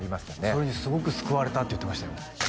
それにすごく救われたって言ってましたよ